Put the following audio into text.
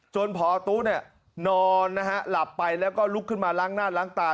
พอตู้นอนนะฮะหลับไปแล้วก็ลุกขึ้นมาล้างหน้าล้างตา